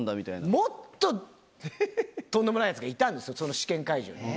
もっととんでもないやつがいたんですよ、その試験会場に。